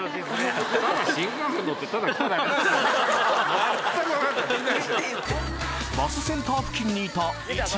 全く分かってない！